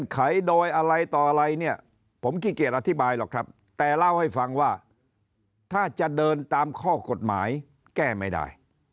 ไขโดยอะไรต่ออะไรเนี่ยผมขี้เกียจอธิบายหรอกครับแต่เล่าให้ฟังว่าถ้าจะเดินตามข้อกฎหมายแก้ไม่ได้